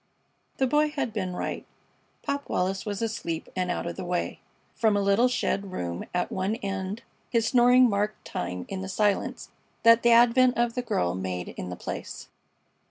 The Boy had been right. Pop Wallis was asleep and out of the way. From a little shed room at one end his snoring marked time in the silence that the advent of the girl made in the place.